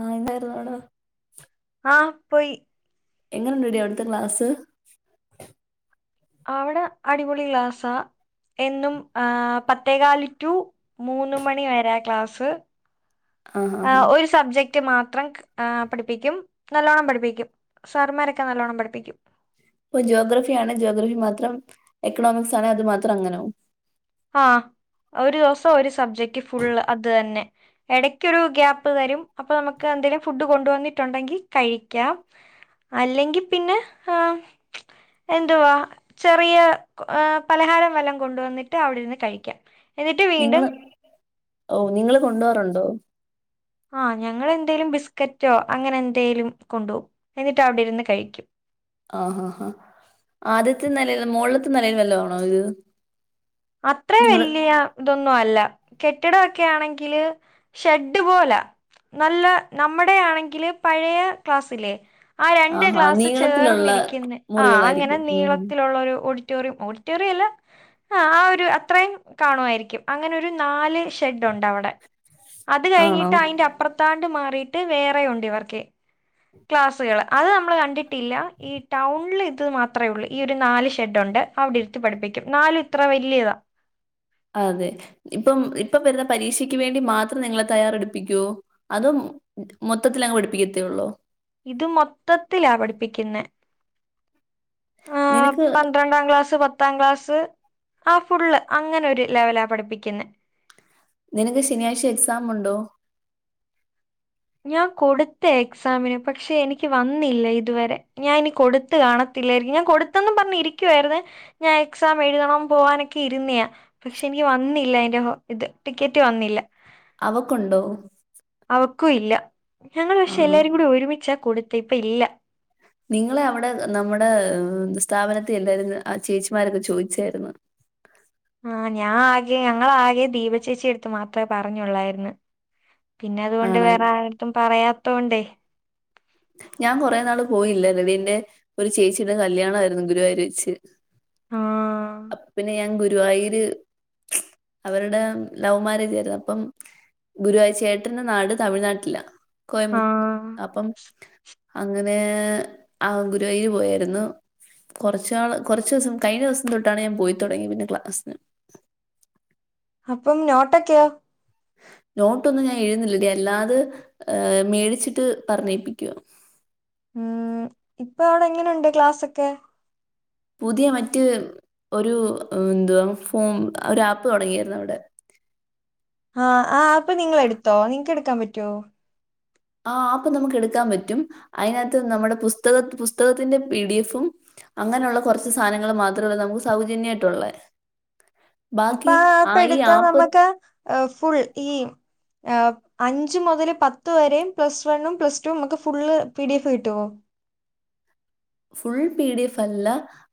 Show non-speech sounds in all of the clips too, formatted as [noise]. ആഹ് എന്തായിരുന്നു മേഡം ആഹ് പോയി എങ്ങനെടെടി അവിടുത്തെ ക്ലാസ്സ് അവിടെ അടിപൊളി ക്ലാസാ എന്നും ഏഹ് പത്തേകാൽ റ്റു മൂന്ന് മണിവരെ ക്ലാസ്സ് ആഹ് ഒരു സബ്ജക്റ്റ് ഹിന്ദി മാത്രം ഹാ പഠിപ്പിക്കും നല്ലോണം പഠിപ്പിക്കും സാർമാരൊക്കെ നല്ലോണ്ണം പഠിപ്പിക്കും ഇപ്പൊ ജിയോഗ്രഫി ആണെ ജോഗ്രഫി മാത്രം എക്കണോമിക്സ് ആണേ അത് മാത്രം അങ്ങനെ ആ ഒരു ദിവസം ഒരു സബ്ജക്റ്റ് ഫുളള് അതന്നെ ഇടയ്ക്കൊരു ഗ്യാപ്പ് തരും അപ്പൊ നമ്മക്ക് എന്തേലും ഫുഡ് കൊണ്ട് വന്നിട്ടുണ്ടെങ്കി കഴിക്കാം അല്ലെങ്കി പിന്നെ ഹാ എന്തുവാ ചെറിയ ഹ പലഹാരം വല്ലോം കൊണ്ടുവന്നിട്ട് ട്ട് അവിടെ ഇരുന്ന് കഴിക്കാം എന്നിട്ട് നിങ്ങൾ വീണ്ടും ഓ നിങ്ങൾ കൊണ്ടോവാറുണ്ടോ ആ ഞങ്ങളെന്തേലും ബിസ്ക്കറ്റോ അങ്ങനെ എന്തെലും കൊണ്ടുപോവും എന്നിട്ട് അവിടെ ഇരുന്ന് കഴിക്കും ആ ആ ഹ ആദ്യത്തെ നിലല് മോളിലത്തെ നിലയിൽ വല്ല ആണോ ഇത് അത്രയും നിങ്ങള് വല്യ ഇതൊന്നും അല്ല കെട്ടിടൊക്കെ ആണെങ്കിൽ ഷെഡ് പോലെ നല്ല നമ്മടെ ആണെങ്കിൽ പഴയ ക്ലാസ്സിലെ ആ രണ്ട് ആഹാ ക്ലാസ് നീളത്തിലുള്ള ചേർന്നിരിക്കുന്ന ആ അങ്ങനെ മുറികളായിരിക്കും ഉം നീളത്തിലുള്ള ഒരു ഓഡിറ്റോറിയം ഓഡിറ്റോ ഓഡിറ്റോറിയല്ല ആ ആ ഒരു അത്രയും കാണുമായിരിക്കും അങ്ങനെ ഒരു നാല് ഷെഡുണ്ടവിടെ അത് ആണോ കഴിഞ്ഞിട്ട് അതിന്റെ അപ്പുറത്താണ്ട് മാറിയിട്ട് വേറെയുണ്ട് ഇവർക്കെ ക്ലാസുകൾ അത് നമ്മൾ കണ്ടിട്ടില്ല ഈ ടൗണിൽ ഇത് മാത്രമേ ഉള്ളൂ ഈ ഒരു നാല് ഷെഡുണ്ട് അവിടെരുത്തി പഠിപ്പിക്കും നാലു ഇത്ര വലിയതാ അതെ ഇപ്പം ഇപ്പൊ വരുന്ന പരീക്ഷക്ക് വേണ്ടി മാത്രം നിങ്ങളെ തയ്യാറെടുപ്പിക്കോ അതും മൊത്തത്തിലങ്ങ് പഠിപ്പിക്കത്തെ ഉള്ളോ ഇത് മൊത്തത്തിലാ പഠിപ്പിക്കുന്ന ആ നിനക്ക് രണ്ടാം ക്ലാസ് പത്താം ക്ലാസ് ആ ഫുള്ള് അങ്ങനെ ഒരു ലെവലാ പഠിപ്പിക്കുന്നേ നിനക്ക് ശനിയാഴ്ച്ച എക്സാം ഉണ്ടോ ഞാൻ കൊടുത്ത എക്സാമിന് പക്ഷെ എനിക്ക് വന്നില്ല ഇതുവരെ ഞാൻ ഇനി കൊടു ത്ത് കാണത്തില്ലേയിരിക്കും ഞാൻ കൊടുത്തന്ന് പറഞ്ഞുരിക്കുവായിരുന്ന് ഞാൻ എക്സാം എഴുതണം പോവനൊക്കെ ഇരുന്നെയാ പക്ഷെ എനിക്ക് വന്നില്ല അതിന്റെ ഹോ ഇത് ടിക്കറ്റ് വന്നില്ല അവക്കുണ്ടോ അവക്കുംല്ല ഞങ്ങൾ പക്ഷെ ആണോ എല്ലാരു കൂടി ഒരുമിച്ചാ കൊടുത്ത ഇപ്പൊ ഇല്ല നിങ്ങളെ അവിടെ നമ്മടെ സ്ഥാപനത്തി എന്തായിരുന്നു ആ ചേച്ചിമാരൊക്കെ ചോയിച്ചായിരുന്ന് ആ ഞാൻ ആകെ ഞങ്ങളാകെ ദീപചേച്ചിട്ത്ത് മാത്ര പറഞ്ഞോള്ളായിരുന്ന് പിന്നെ അതൊണ്ട് ആണൽ വേറെ ആരെടുത്തും പറയാത്തോണ്ടേ ഞാൻ കുറെ നാള് പോയില്ലെരുന്നു പിന്നെ ഒരു ചേച്ചിടെ കല്യാണായിരുന്നു ഗുരുവായിര് വെച്ച് ആഹ് അപ്പോ പിന്നെ ഞാൻ ഗു ഗുരുവായിര് അവരുടെ ലൗ മാരേജ് ആയിരുന്നപ്പം ഗുരുവായ് ചേട്ടന്റെ നാട് തമിഴ്നാട്ടില കോയമ്പത്ത ആഹ് അപ്പം അങ്ങനെ ആ ഗുരുവായൂര് പോയാര്ന്നു കൊറച്ചാള് കൊറച്ചൊസം കഴിഞ്ഞോസം തൊട്ടാണ് ഞാൻ പോയി തൊടങ്ങിയെ പിന്നെ ക്ലാസ്സിന് അപ്പം നോട്ടൊക്കെയോ നോട്ടൊന്നും ഞാൻ എഴുന്നില്ലടി അല്ലാത് മേടിച്ചിട്ട് പറഞ്ഞേപ്പിക്കുവാ മ്മ് ഇപ്പവിടെ എങ്ങനെണ്ട് ക്ലാസ്സൊക്കെ പുതിയ മറ്റ് ഒരു എന്തുവാ ഫോം ഒരു ആപ്പ് തുടങ്ങിയാരുന്നു അവിടെ ആ ആ ആപ്പ് നിങ്ങൾ എടുത്തോ നിങ്ങക്കടുക്കാൻ പറ്റൊ ആ ആ ആപ്പ് നമ്മുക്ക് എടുക്കാൻ പറ്റും അതിനകത്ത് നമ്മുടെ പുസ്തക പുസ്തകത്തിന്റെ പി ഡി എഫും അങ്ങനെള്ള കുറച്ച് സാധനങ്ങൾ മാത്രള്ളു നമ്മുക്ക് സൗജന്യായിട്ടുള്ളെ അപ്പൊ ആ ആപ്പെടുത്ത ആപ്പ് നമ്മക്ക് ഫുൾ ഈ അ ഒക് അഞ്ച് മുതല് പത്ത് വരെയും പ്ലസ് വണ്ണും പ്ലസ് ടു മ്മക്ക് ഫുള്ള് പി ഡി എഫ് കിട്ടോ ഫുൾ പി ഡി എഫല്ല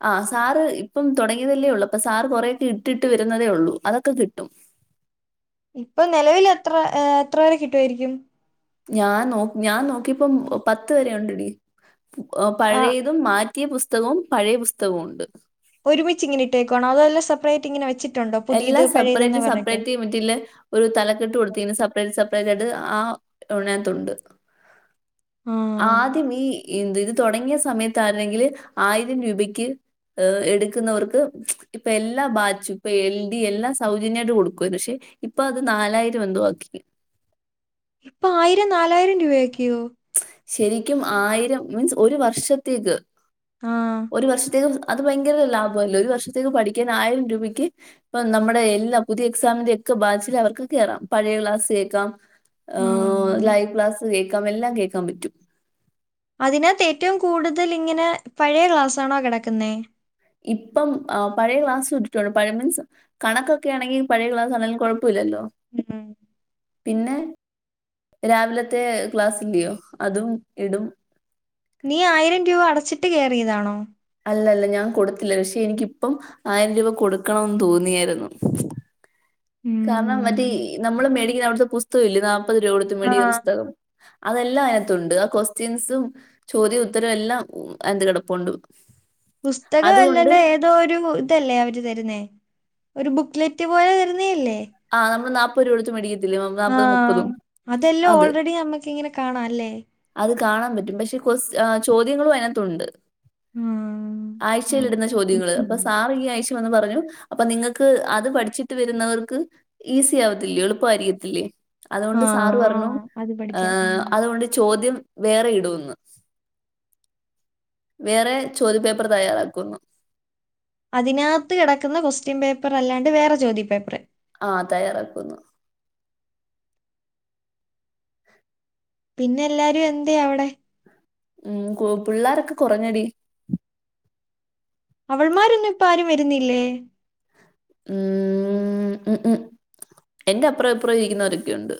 ആ സാർ ഇപ്പം തുടങ്ങിയതല്ലേ ഉള്ളൂ അപ്പൊ സാർ കൊറെക്കെ ഇട്ടിട്ട് വരുന്നതേ ഉള്ളൂ അതൊക്കെ കിട്ടും ഇപ്പൊ നിലവില് എത്ര എത്ര വരെ കിട്ടുവായിരിക്കും ഞാൻ നോ ഞാൻ നോക്കിയപ്പം പത്ത് വരെയുണ്ടെടി ആ പഴയ അത്മാറ്റിയ പുസ്തകവും പഴയ പുസ്തകവും ഉണ്ട് ഒരുമിച്ച് ഇങ്ങനെ ഇട്ടേക്കുവാണോ അതല്ല സെപ്പറേറ്റ് ഇങ്ങനെ വെച്ച് എല്ലാം സെപ്പറേറ്റ് സെപ്പറേറ്റി മറ്റേ ല്ല ഒരു തലക്കെട്ട് കൊടുത്തിന് സെപ്പറേറ്റ് സെപ്പറേറ്റ് ആയിട്ട് ആഹ് അതിനകത്തുണ്ട് ആ ആദ്യം നീ ഇത് തുടങ്ങിയ സമയത്താണെങ്കില് ആയിരം രൂപക്ക് ഏഹ് എടുക്കുന്നവർക്ക് ഇപ്പം എല്ലാം ബാച്ചും ഇപ്പൊ എൽ ഡി എല്ലാം സൗജന്യമായിട്ട് കൊടുക്കുവാ പക്ഷെ ഇപ്പൊ അത് നാലായിരം എന്തോവാക്കി അപ്പൊ ആയിരം നാലായിരം രൂപയാക്കിയോ ശരിക്കും ആയിരം മീൻസ് ഒരു വർഷത്തേക്ക് ആ ഒരു വർഷത്തേക്ക് അത് ഭയങ്കര ലാഭമല്ലിയോ ഒരു വർഷത്തേക്ക് പഠിക്കാൻ ആയിരം രൂപയ്ക്ക് ഇപ്പം നമ്മുടെ എല്ലാ പുതിയ എക്സാമിന്റെ ഒക്കെ ബാച്ചില് അവർക്ക് കേറാം പഴയ ക്ലാസ് കേൾക്കാം ആ ആഹ് ലൈവ് ക്ലാസ് കേക്കാം എല്ലാം കേൾക്കാൻ പറ്റും അതിനകത്ത് ഏറ്റവും കൂടുതല് ഇങ്ങനെ പഴയ ക്ലാസാണോ കിടക്കുന്നെ ഇപ്പം പഴയ ക്ലാസ് ഇട്ടിട്ടുണ്ട് പഴയ മീൻസ് കണക്കൊക്കെ ആണെങ്കിൽ പഴയ ക്ലാസ്സ് ആണേലും കുഴപ്പല്ലല്ലോ ഉം പിന്നെ രാവിലത്തെ ക്ലാസ് ഇല്ലിയോ അതും ഇടും നീ ആയിരം രൂപ അടച്ചിട്ട് കേറിയതാണോ അല്ലല്ല ഞാൻ കൊടുത്തില്ല പക്ഷെ എനിക്കിപ്പം ആയിരം രൂപ കൊടുക്കണംന്ന് തോന്നിയാരുന്നു കാരണം മറ്റേ നമ്മള് മേടിക്കുന്ന അവിടുത്തെ പുസ്തകം ഇല്ലിയോ നാല്പത് രൂപ കൊടുത്ത് ആ മേടിക്കുന്ന പുസ്തകം അതെല്ലാം അതിനക്ത്തുണ്ട് ആ ക്വാസ്റ്റിൻസും ചോദ്യം ഉത്തരം എല്ലാം അതിനകത്ത് കിടപ്പുണ്ട് അതുകൊണ്ട് പുസ്തകമല്ലനെ ഏത് എന്തോ ഒരു ഇതല്ലേ അവര് തരുന്നെ ഒരു ബുക്ക്ലെറ്റ് പോലെ തരുന്നെ എല്ലേ ആ നമ്മള് നാല്പത് രൂപ കൊടുത്ത് മേടി ഇല്ലിയോ നാല്പത് മുപ്പതും അതെല്ലാം അത് ഓൾറെഡി നമുക്ക് ഇങ്ങനെ കാണാം അല്ലേ അത് കാണാൻ പറ്റും പക്ഷെ ക്വാ ചോദ്യങ്ങളും അതിനകത്തുണ്ട് ആ ആഴ്ചയിലിടുന്ന ചോദ്യങ്ങള് അപ്പൊ ആ സാറ് ഈ ആഴ്ച വന്ന് പറഞ്ഞു അപ്പൊ നിങ്ങക്ക് അത് പഠിച്ചിട്ട് വരുന്നവർക്ക് ഈസി ആവത്തില്ലിയോ എളുപ്പം ആയിരിക്കത്തില്ലിയോ ആ അതുകൊണ്ട് സാറ് പറഞ്ഞു അത് പഠിക്കാം ഉം. ആഹ് അതുകൊണ്ട് ചോദ്യം വേറെ ഇടുവെന്ന് വേറെ ചോദ്യ പേപ്പർ തയ്യാറാക്കുവെന്ന് അതിനകത്ത് കിടക്കുന്ന ക്വസ്റ്റ്യൻ പേപ്പർ അല്ലാണ്ട് വേറെ ചോദ്യ പേപ്പറ് ആഹ് തയ്യാറാക്കുമെന്ന് പിന്നെ എല്ലാരും എന്തിയേ അവിടെ ഉം പിള്ളോരൊക്കെ കുറഞ്ഞടി അവൾമാരൊന്നും ഇപ്പം ആരും വരുന്നില്ലേ ഉം ഉം ഉം എന്റെ അപ്പുറം ഇപ്പുറം ഇരിക്കുന്നവരൊക്കെയുണ്ട്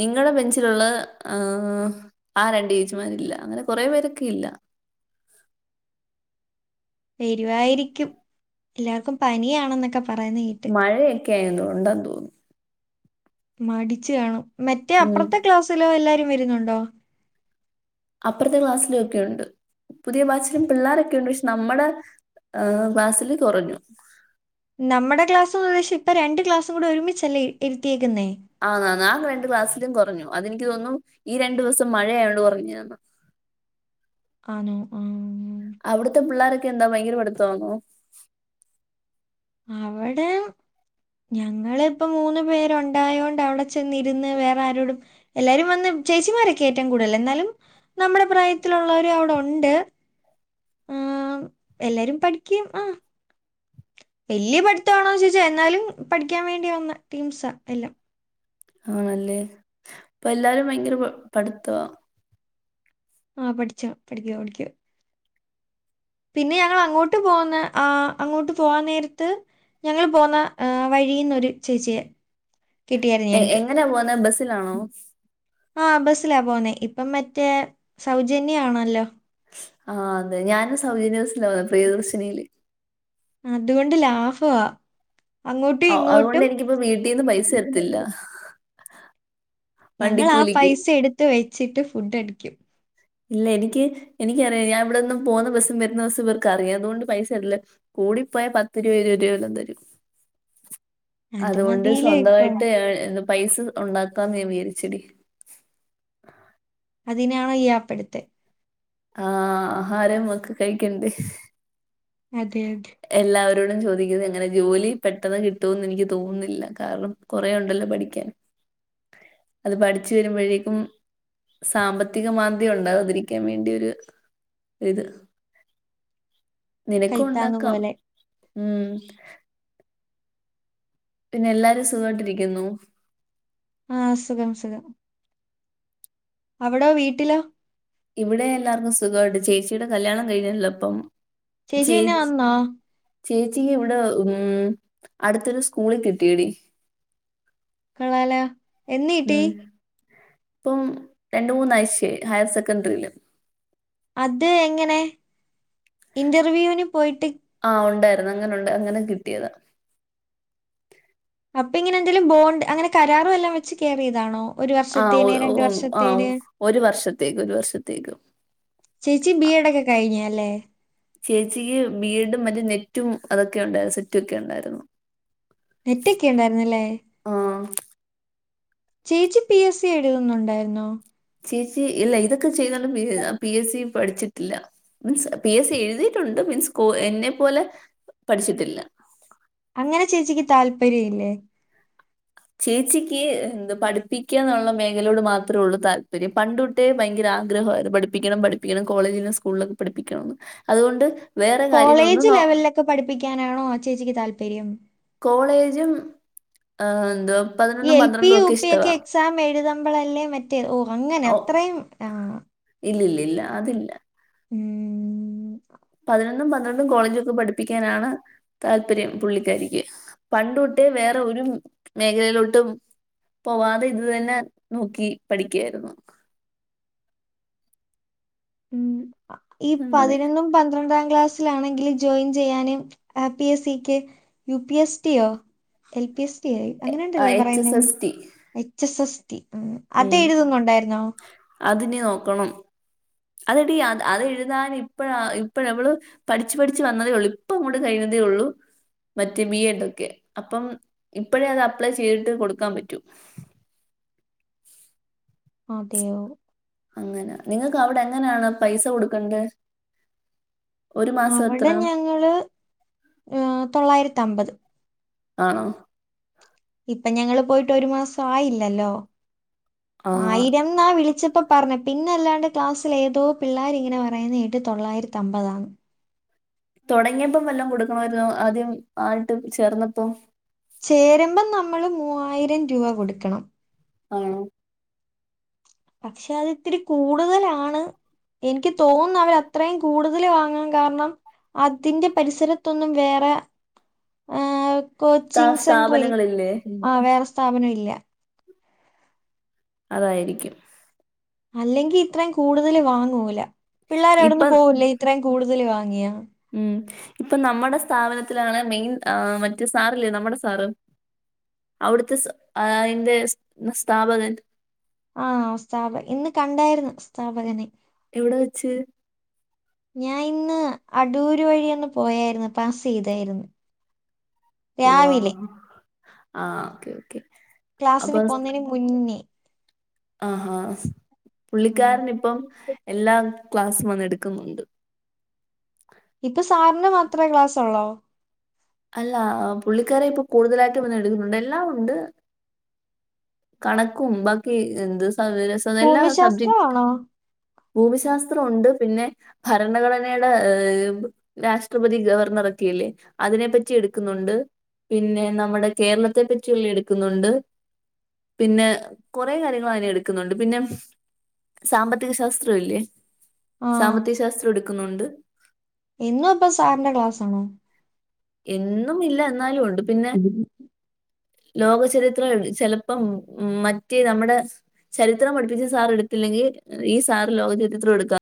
നിങ്ങടെ ബെഞ്ചിലുള്ള ആഹ് ആ രണ്ട് ചേച്ചിമാരില്ല അങ്ങനെ കൊറേ പേരൊക്കെ ഇല്ല വരുവായിരിക്കും എല്ലാവർക്കും പനിയാണെന്നൊക്കെ പറയുന്ന കേ മഴയൊക്കെ ആണെന്ന് ഉണ്ടെന്ന് തോന്നുന്ന് മടിച്ച് കാണും മറ്റേ ഉം. അപ്പുറത്തെ ക്ലാസ്സിലോ എല്ലാരും വരുന്നുണ്ടോ അപ്പുറത്തെ ക്ലാസ്സിലുവൊക്കെയുണ്ട് പുതിയ ബാച്ചിലും പിള്ളാരൊക്കെയുണ്ട് പക്ഷെ നമ്മടെ ബാച്ചില് കുറഞ്ഞു നമ്മുടെ ക്ലാസ്സ് ഉദ്ദേശം ഇപ്പൊ രണ്ട് ക്ലാസ്സും കൂടെ ഒരുമിച്ചല്ലേ ഇരുത്തിയേക്കുന്നേ ആഹ് രണ്ട് ക്ലാസിലും കുറഞ്ഞു അതെനിക്ക് തോന്നുന്നു ഈ രണ്ടു ദിവസം മഴയായോണ്ട് കുറഞ്ഞെയാന്ന് ആന്നോ ആഹ് അവ്ടുത്തെ പിള്ളോരൊക്കെ എന്താ ഭയങ്കര പടുത്തമാന്നോ അവടെ ഞങ്ങള് പ്പ മൂന്നു പേരുണ്ടായോണ്ട് അവ്ടെ ചെന്നിരുന്ന് വേറാരോടും എല്ലാരും വന്ന് ചേച്ചിമാരൊക്കെ ഏറ്റം കൂട്തൽ ന്നാലും നമ്മടെ പ്രായത്തിലുള്ളോരു അവ്ടെ ഉണ്ട് ഉം എല്ലാരും പഠിക്ക ആ വല്ല്യ പട്ത്താണോ ചോയ്ച്ചാ എന്നാലും പട്ക്ക്യാൻ വേണ്ടി വന്ന ടീംസ എല്ലാം ആണല്ലേ അപ്പൊ എല്ലാരും ഭയങ്കര പഠിത്തവാ ആഹ് പട്ച്ചാ പടിക്ക പടിക്ക പിന്നെ ഞങ്ങൾ അങ്ങോട്ട് പോന്ന് ആ അങ്ങോട്ട് പോവാൻ നേരത്ത് ഞങ്ങള് പോന്ന വഴിന്നൊരു ചേച്ചിയെ കിട്ടിയായിരുന്നു എ ഞങ്ങൾക്ക് എങ്ങനാ പോന്നെ ബസ്സിലാണോ ആ ബസ്സിലാ പോന്നേ ഇപ്പം മറ്റേ സൗജന്യാണല്ലോ ആഹ് അതെ ഞാനും സൗജന്യബസിലാ പ്രിയദർശിനിയില് അതുകൊണ്ട് ലാഭവാ അങ്ങോട്ടും അ അതുകൊണ്ട് ഇങ്ങോട്ടും എനിക്കിപ്പോ വീട്ടീന്ന് പൈസ തരത്തില്ല. ഞങ്ങളാ വണ്ടിക്കൂലിക്ക്. പൈസ എടുത്ത് വെച്ചിട്ട് ഫുഡടിക്കും ഇല്ല എനിക്ക് എനിക്കറിയാ ഞാൻ ഇവിടന്ന് പോന്ന ബസ്സും വരുന്ന ബസ്സും വർക്കറിയാ അതുകൊണ്ട് പൈസതര്ല്ല കൂടിപ്പോയാ പത്ത് രൂപ ഇരുപത് രൂപ തരും അത് അതുകൊണ്ട് മതിയില്ലേ ഇപ്പം സ്വന്തവായിട്ട് ഏ എന്താ പൈസ ഉണ്ടാക്കാന്ന് ഞാൻ വിചാരിച്ചെടി അതിനാണോ ഈആപ്പെടുത്തെ ആ ആഹാരം ഒക്കെ കഴിക്കണ്ടെ അതെ യത് എല്ലാവരോടും ചോദിക്കുന്ന എങ്ങനെ ജോലി പെട്ടെന്ന് കിട്ടോന്നെനിക്ക് തോന്നുന്നില്ല കാരണം കൊറേ ണ്ടല്ലോ പഠിക്കാൻ അത് പടിച്ച് വരുമ്പഴേക്കും സാമ്പത്തിക മാന്ദ്യ ഉണ്ടാകാതിരിക്കാൻ വേണ്ടിയൊര് ഇത് കൈത്താങ് നിനക്കുണ്ടാക്കാം പോലെ ഉം പിന്നെല്ലാരും സുഖായിട്ടിരിക്കുന്നോ ആ സുഖം സുഖം അവിടോ വീട്ടിലോ ഇവിടെ എല്ലാർക്കും സുഖായിട്ട് ചേച്ചിടെ കല്യാണം കഴിഞ്ഞല്ലോ പ്പം പിന്നെ ചേച്ചി വന്നോ ചേച്ചിക്ക് ഇവിടെ ഉം അടുത്തൊരു സ്കൂളിൽ കിട്ടിയെടി കൊള്ളാലോ എന്ന് കിട്ടി ഉം പ്പം രണ്ട് മൂന്നാഴ്ചയായി ഹയർ സെക്കൻഡറി അത് എങ്ങനെ ഇന്റർവ്യൂന് പോയിട്ട് ആഹ് ഉണ്ടായിരുന്നു അങ്ങനെ ഉണ്ട് അങ്ങനെ കിട്ടിയത അപ്പ ങ്ങനെന്തേലും ബോണ്ട് അങ്ങനെ കരാറ് വല്ലോം വെച്ച് കേറിയതാണോ ആ ഒ ഒ ആ ഒരു വർഷത്തേക്ക് ഒരു വർഷത്തേക്ക് ചേച്ചി ബി ആ, എഡോക്കെ കഴിഞ്ഞ അല്ലേ ചേച്ചിക്ക് ബീഎഡും മറ്റ് നെറ്റും അതൊക്കെ ഉണ്ടായിരുന്നു സെറ്റൊക്കെ ഉണ്ടായിര്ന്നു നെറ്റൊക്കെ ണ്ടായിരുന്നുലേ ആഹ് ചേച്ചി പി എസ് സി എഴുതുന്നുണ്ടായിരുന്നോ ചേച്ചി ഇല്ല ഇതൊക്കെ ചെയ്തോണ്ട് പിന്നെ പി എസ് സി പട്ച്ച് ട്ട് ല്ല മീൻസ് പി എസ് സി എഴുതിയിട്ടുണ്ട് മീൻസ് കോ എന്നെ പോലെ പഠിച്ചിട്ടില്ല അങ്ങനെ ചേച്ചിക്ക് താല്പര്യ ഇല്ലേ ചേച്ചിക്ക് എന്ത് പഠിപ്പിക്ക ന്ന്ള്ള മേഖലയോട് മാത്രേ ഒള്ളൂ താല്പര്യം പണ്ടു ട്ടെ ഭയങ്കര ആഗ്രഹരുന്നു പഠിപ്പിക്കണം പഠിപ്പിക്കണം കോളേജിലും സ്കൂളിലൊക്കെ പഠിപ്പിക്കണംന്ന്. അതുകൊണ്ട് വേറെ കാര്യങ്ങളൊന്നും നോ ക്കെ പഠിപ്പിക്കാനാണോ ചേച്ചിക്ക് താല്പര്യം കോളേജും ഏ എന്തോ ഈ എൽ പി യു പി ഒക്കെ എക്സാം എഴുതുമ്പളല്ലേ മറ്റേ, ഓ! അങ്ങനെ അത്രയും ആ ഇല്ല ഇല്ല ഇല്ല അതില്ല. [unintelligible] പതിനൊന്നും പന്ത്രണ്ടും കോളേജൊക്കെ പഠിപ്പിക്കാനാണ് താല്പര്യം പുള്ളിക്കാരിക്ക്. പണ്ട് ഒട്ടേ വേറെ ഒരു മേഖലയിലോട്ടും പോവാതെ ഇത് തന്നെ നോക്കി പഠിക്ക്യായിരുന്നു. ഉം, ഈ അങ്ങനെ. പതിനൊന്നും പന്ത്രണ്ടാം ക്ലാസ് ത്തി ലാണെങ്കില് ജോയിൻ ചെയ്യാനും ആ പി എസ് സിക്ക് യു പി എസ് ടി യോ എൽ പി എസ് ഡി ആയി അങ്ങനെ ആഹ് ആണ്ടല്ലേ എച്ച് പറയുന്നേ, S S T H S S T ആ അത് എഴുതുന്നുണ്ടായിരുന്നോ? അതിനെ നോക്കണം. അതെടി അത അതെഴുതാന് ഇപ്പഴ ഇപ്പഴ അവള് പഠിച്ച് പഠിച്ച് വന്നതേ ഉള്ളൂ. ഇപ്പം അങ്ങോട്ട് കഴിഞ്ഞതേ ഉള്ളൂ മറ്റ് ബി എഡ് ഒക്കെ, അപ്പം ഇപ്പഴേ അത് അപ്ലൈ ചെയ്ത് കൊടുക്കാൻ പറ്റൂ. അതെയോ അങ്ങനെ, നിങ്ങക്ക് അവിടെ എങ്ങനേണ് പൈസ കൊടുക്കണ്ടെ. അവടെ ഞങ്ങള് ഏ തൊള്ളായിരത്ത അമ്പത്. ആണോ? ഇപ്പം ഞങ്ങള് പോയിട്ട് ഒരു മാസം ആയില്ലല്ലോ. ആ ആയിരം ന്നാ വിളിച്ചപ്പോ പറഞ്ഞത്. പിന്നെ അല്ലാണ്ട് ക്ലാസ്സ്ൽ ഏതോ പിള്ളേര് ഇങ്ങനെ പറയുന്നത് കേട്ട് തൊള്ളായിരത്തി അമ്പതാ ന്ന്. തൊടങ്ങിയപ്പം വല്ലോം കൊടുക്കണമായിരുന്നോ ആദ്യം ആയിട്ട് ചേർന്നപ്പോ? ചേരുമ്പം നമ്മള് മൂവായിരം രൂപ കൊടുക്കണം ആണോ? പക്ഷെ അത് ഇത്തിരി കൂടുതലാണ്. ഇൻക്ക് തോൻന്ന അവർ അത്രയും കൂടുതല് വാങ്ങാൻ കാരണം അതിന്റെ പരിസരത്തൊന്നും വേറെ ഏഹ സ്ഥാ- കോച്ചിങ് സെന്ററിൽ സ്ഥാപനങ്ങളില്ലേ ആ വേറെ സ്ഥാപനം ഇല്ല. അതായിരിക്കും. അല്ലെങ്കി ഇത്രയും കൂടുതല് വാങ്ങൂല. പിള്ളേര് ഇപ്പൊ അവിടന്ന് പോവില്ലേ ഇത്രയും കൂടുതല് വാങ്ങിയാ. ഉം. ഇപ്പം നമ്മുടെ സ്ഥാപനത്തിലാണ് മെയിൻ ആ മറ്റ് സാറല്ലേ നമ്മുടെ സാറ്. അവിടുത്തെ സ ആയിന്റെ സ് ന്ന സ്ഥാപകൻ ആഹ്, സ്താപ ഇന്ന് കണ്ടായിരുന്നു സ്ഥാപകനെ. എവിടെ വെച്ച്? ഞാൻ ഇന്ന് അടൂര് വഴി ഒന്ന് പോയായിരുന്നു, പാസ് ചെയ്തായിരുന്നു. വാ! രാവിലെ ആഹ് ഓക്കെ ഓക്കേ ക്ലാസ്സിന് പോവുന്നതിന് മുന്നേ ആഹാ! ഹസ്, ഉം. പുള്ളിക്കാരന് ഇപ്പം എല്ലാ ക്ലാസും വന്ന് എടുക്കുന്നുണ്ട്. ഇപ്പ സാറിന് മാത്രേ ക്ലാസ് ഒള്ളോ? അല്ല, പുള്ളിക്കാരെ ഇപ്പൊ കൂടുതലായിട്ടും വന്ന് എഴുതുന്നുണ്ട്. എല്ലാം ഉണ്ട്. കണക്കും ബാക്കി എന്ത് സ [unintelligible] സം എല്ലാ സബ്ജ ഭൂമിശാസ്ത്രമാണോ ഭൂമിശാസ്ത്രം ഉണ്ട്, പിന്നെ ഭരണഘടനയുടെ ഏ രാഷ്ട്രപതി ഗവർണർ ഒക്കെ അല്ലേ, അതിനെപ്പറ്റി എടുക്കുന്നുണ്ട്. പിന്നെ നമ്മുടെ കേരളത്തെ പറ്റി ഉള്ള എടുക്കുന്നുണ്ട്. പിന്നെ കൊറേ കാര്യങ്ങൾ അതിനെ എടുക്കുന്നുണ്ട്. പിന്നെ സാമ്പത്തിക ശാസ്ത്രംല്ലേ ആ സാമ്പത്തിക ശാസ്ത്രം എടുക്കുന്നുണ്ട് എന്നും ഇപ്പ സാറിന്റെ ക്ലാസ് ആണോ എന്നും ഇല്ല എന്നാലും ഉണ്ട് പിന്നെ ലോകചരിത്രം ചെിലപ്പം മറ്റേ നമ്മുടെ ചരിത്രം പഠപ്പിച്ച സാർ എടുത്തില്ലെങ്കിൽ, ഈ സാർ ലോക ചരിത്രം എടുക്കാം.